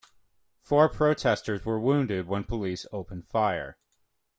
Four protesters were wounded when police opened fire.